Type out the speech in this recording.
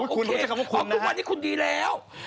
อ๋อทุกวันนี้คุณดีแล้ว